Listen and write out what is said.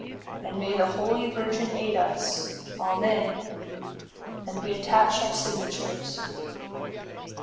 And may the Holy Virgin aid us, Amen. And we attach our signatures."